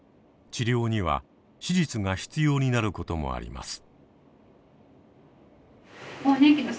治療には手術が必要になることもあります。